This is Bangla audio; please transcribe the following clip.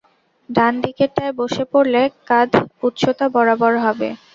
ডান দিকেরটায়, বসে পড়লে কাঁধ উচ্চতা বরাবর হবে।